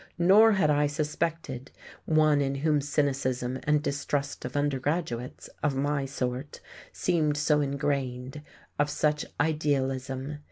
Nor had I suspected one in whom cynicism and distrust of undergraduates (of my sort) seemed so ingrained, of such idealism.